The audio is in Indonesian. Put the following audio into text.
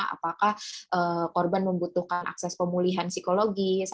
apakah korban membutuhkan akses pemulihan psikologis